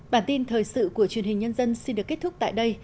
bản tin thời sự của truyền hình nhân dân xin được kết thúc tại đây